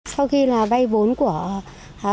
sau khi là vai vốn của